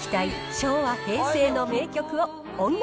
昭和・平成の名曲を音楽